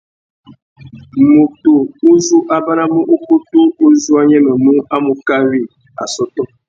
Mutu uzú a banamú ukutu uzú a nyêmêmú a mú kawi assôtô.